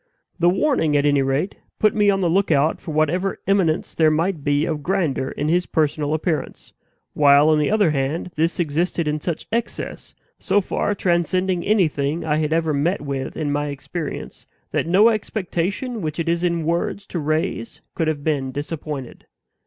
The warning, at any rate, put me on the lookout for whatever eminence there might be of grandeur in his personal appearance; while, on the other hand, this existed in such excess, so far transcending anything I had ever met with in my experience, that no expectation which it is in words to raise could have been disappointed.